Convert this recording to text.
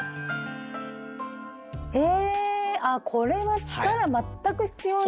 へえあこれは力全く必要ない！